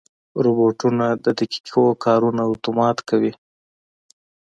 روبوټونه د دقیقو کارونو اتومات کوي.